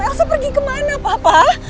elsa pergi kemana papa